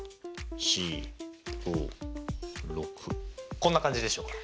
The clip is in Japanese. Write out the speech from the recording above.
こんな感じでしょうか。